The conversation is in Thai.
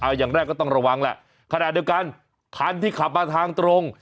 อย่างแรกก็ต้องระวังแหละขณะเดียวกันคันที่ขับมาทางตรง